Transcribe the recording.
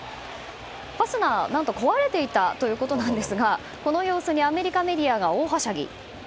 ファスナー、何と壊れていたということなんですがこの様子にアメリカメディアが大はしゃぎ。